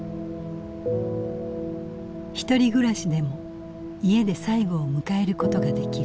ひとり暮らしでも家で最期を迎えることができる。